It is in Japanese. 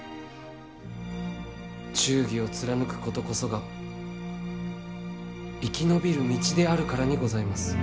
忠義を貫く事こそが生き延びる道であるからにございます。